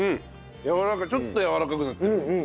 やわらかちょっとやわらかくなってる。